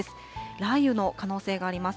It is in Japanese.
雷雨の可能性があります。